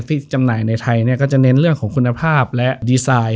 จำหน่ายในไทยเนี่ยก็จะเน้นเรื่องของคุณภาพและดีไซน์